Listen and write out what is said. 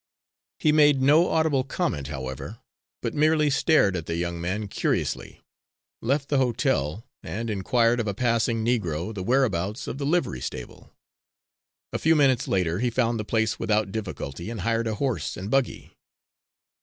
He made no audible comment, however, but merely stared at the young man curiously, left the hotel, and inquired of a passing Negro the whereabouts of the livery stable. A few minutes later he found the place without difficulty, and hired a horse and buggy.